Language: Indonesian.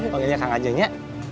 panggilnya kang ajanya